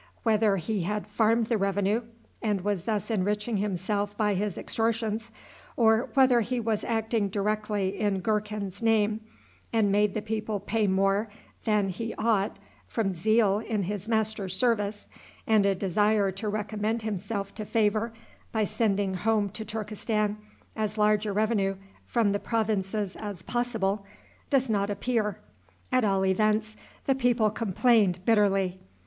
Whether he had farmed the revenue, and was thus enriching himself by his extortions, or whether he was acting directly in Gurkhan's name, and made the people pay more than he ought from zeal in his master's service, and a desire to recommend himself to favor by sending home to Turkestan as large a revenue from the provinces as possible, does not appear. At all events, the people complained bitterly.